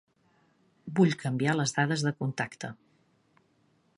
Vull canviar les dades de contacte.